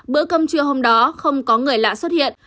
bữa cơm trưa hôm đó không có người lạ xuất hiện